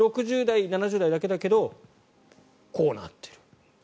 ６０代、７０代だけだけどこうなっている。